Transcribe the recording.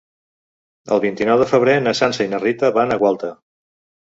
El vint-i-nou de febrer na Sança i na Rita van a Gualta.